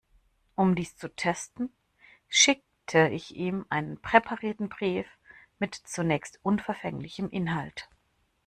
Um dies zu testen, schickte ich ihm einen präparierten Brief mit zunächst unverfänglichem Inhalt.